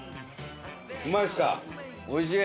うまいですか？